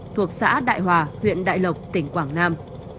thuộc xã đại hòa huyện đại lộc tỉnh quảng nam